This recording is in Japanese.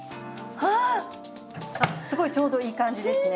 あっすごいちょうどいい感じですね。